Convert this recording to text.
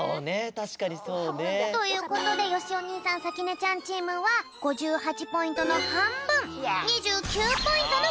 たしかにそうね。ということでよしお兄さんさきねちゃんチームは５８ポイントのはんぶん２９ポイントのかくとくだぴょん。